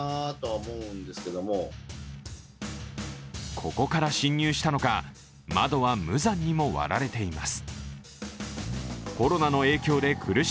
ここから侵入したのか、窓は無残にも割られています。